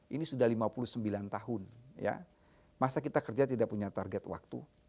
ini sudah lima puluh sembilan tahun masa kita kerja tidak punya target waktu